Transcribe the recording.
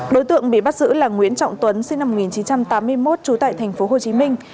đối tượng bị bắt giữ là nguyễn trọng tuấn sinh năm một nghìn chín trăm tám mươi một trú tại thành phố hồ chí minh